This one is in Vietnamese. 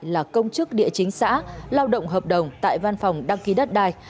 là công chức địa chính xã lao động hợp đồng tại văn phòng đăng ký đất đai